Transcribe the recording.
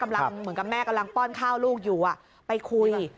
เหมือนกับแม่กำลังป้อนข้าวลูกอยู่ไปคุย